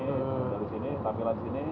dari sini tampilkan di sini